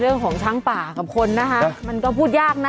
เรื่องของช้างป่ากับคนนะคะมันก็พูดยากนะ